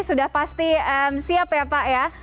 sudah pasti siap ya pak ya